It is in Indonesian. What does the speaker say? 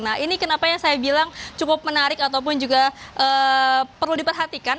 nah ini kenapa yang saya bilang cukup menarik ataupun juga perlu diperhatikan